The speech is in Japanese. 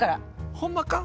ホンマか？